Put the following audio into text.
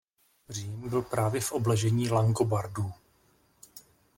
Řím byl právě v obležení Langobardů.